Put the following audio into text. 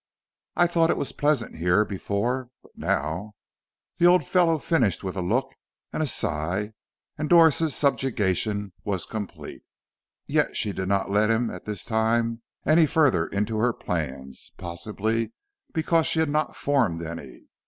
I thought it was pleasant here before, but now " The old fellow finished with a look and a sigh, and Doris' subjugation was complete. Yet she did not let him at this time any further into her plans, possibly because she had not formed any.